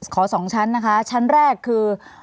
สองชั้นนะคะชั้นแรกคือ